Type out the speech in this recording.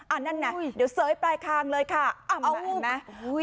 อันนั้นนะเดี๋ยวเสยไปข้างเลยค่ะเอามาเห็นไหม